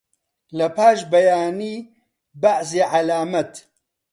لەپاش بەیانی بەعزێ عەلامەت